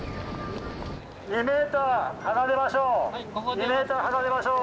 ２ｍ離れましょう！